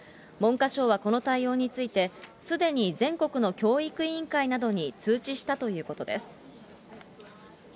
文科省はこの対応について、すでに全国の教育委員会などに通知したということです。